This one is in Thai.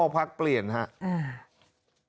พักเปลี่ยนครับ